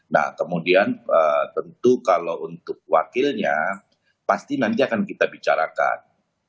nah kemudian tentu kalau untuk wakilnya pasti nanti akan kita bicarakan